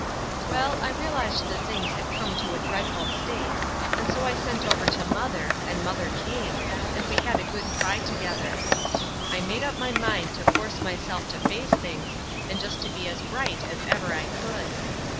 Well, I realized that things had come to a dreadful state, and so I sent over to Mother, and Mother came, and we had a good cry together. I made up my mind to force myself to face things and just to be as bright as ever I could.